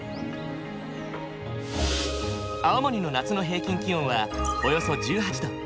青森の夏の平均気温はおよそ１８度。